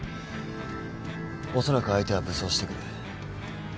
おそらく相手は武装してくる。